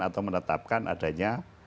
atau menetapkan adanya